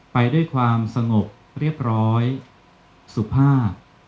ไปด้วยความสงบเรียบร้อยสุภาพ